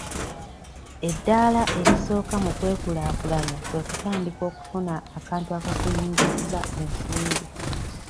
Eddaala erisooka mu kwekulaakulanya kwe kutandika okufuna akantu akakuyingiriza ensimbi.